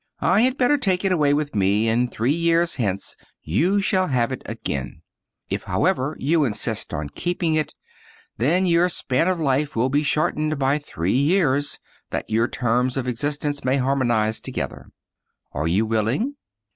I had better take it away with me, and three years hence you shall have it again. If, however, you insist on keeping it, then 42 The Wonderful Stone your span of life will be shortened by three years, that your terras of existence may harmonize together. Are you willing?